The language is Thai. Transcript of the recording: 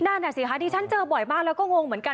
นั่นน่ะสิคะดิฉันเจอบ่อยมากแล้วก็งงเหมือนกัน